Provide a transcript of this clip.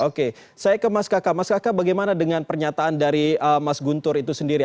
oke saya ke mas kakak mas kakak bagaimana dengan pernyataan dari mas guntur itu sendiri